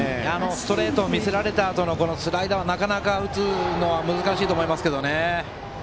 ストレートを見せられたあとのスライダーを打つのは難しいと思います。